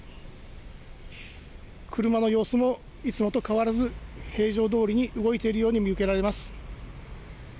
車の様子もいつもと変わらず、平常どおりに動いているように見受けられます。